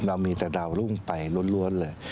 เรามีแต่ดาวรุ่งไปล้วนเลย